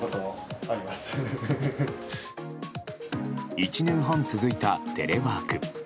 １年半続いたテレワーク。